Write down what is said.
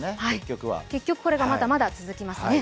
結局、これがまだまだ続きますね。